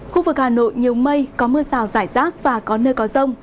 khu vực hà nội nhiều mây có mưa rào rải rác và có nơi có rông